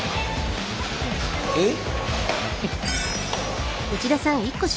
えっ？